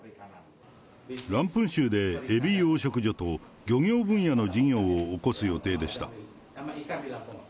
ランプン州でエビ養殖所と漁業分野の事業をおこす予定でした。